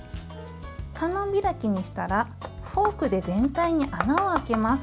観音開きにしたらフォークで全体に穴を開けます。